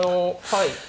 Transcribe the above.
はい。